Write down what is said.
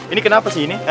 ini kenapa sih ini